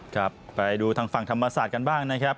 ครับไปดูทางฝั่งธรรมศาสตร์กันบ้างนะครับ